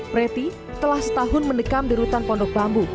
preti telah setahun mendekam di rutan pondok bambu